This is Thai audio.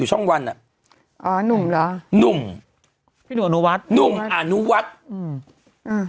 ช่องวันอ่ะอ๋อหนุ่มเหรอหนุ่มพี่หนุ่มอนุวัฒน์หนุ่มอนุวัฒน์อืมอ่า